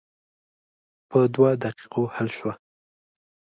په دوه دقیقو حل شوه.